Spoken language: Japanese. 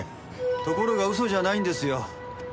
ところが嘘じゃないんですよ。